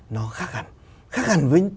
nó khác hẳn khác hẳn với